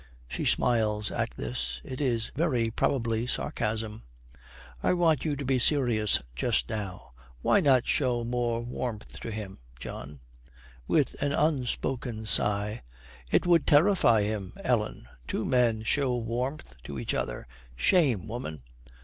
She smiles at this. It is very probably sarcasm. 'I want you to be serious just now. Why not show more warmth to him, John?' With an unspoken sigh, 'It would terrify him, Ellen. Two men show warmth to each other! Shame, woman!'